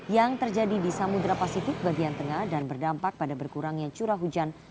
yang terjadi di samudera pasifik bagian tengah dan berdampak pada berkurangnya curah hujan